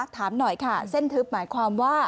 ถามหน่อยค่ะเส้นทึบหมายความว่า